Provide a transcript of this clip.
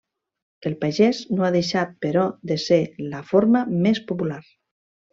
El pagès no ha deixat però de ser la forma més popular.